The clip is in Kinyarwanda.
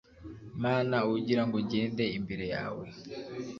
mana ugira ngo ngende imbere yawe